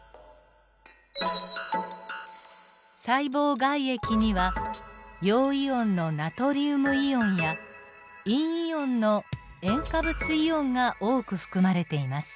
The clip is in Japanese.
細胞外液には陽イオンのナトリウムイオンや陰イオンの塩化物イオンが多く含まれています。